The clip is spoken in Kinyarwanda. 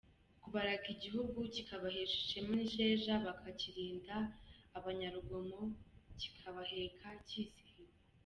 Kubaraga igihugu, kibahesha ishema n’isheja, bakakirinda abanyarugomo, kikabaheka cyizihiwe.